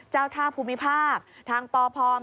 เจ้าท่าภูมิภาคทางปพ